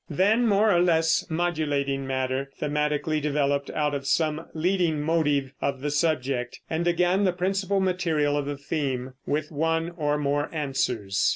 Then more or less modulating matter, thematically developed out of some leading motive of the subject, and again the principal material of the theme, with one or more answers.